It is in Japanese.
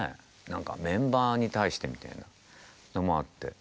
何かメンバーに対してみたいなのもあって。